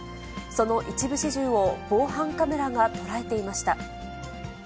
その一部始終を防犯カメラが捉えていました。